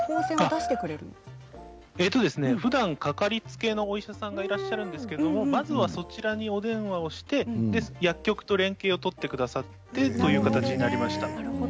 ふだん掛かりつけのお医者さんがいらっしゃるんですけれどもまず、そちらにお電話をして薬局と連携を取ってくださってという形になりました。